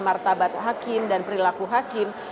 martabat hakim dan perilaku hakim